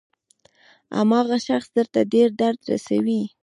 هماغه شخص درته ډېر درد رسوي.